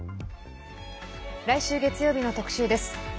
来週、月曜日の特集です。